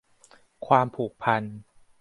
ความผูกพัน